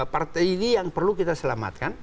partai ini yang perlu kita selamatkan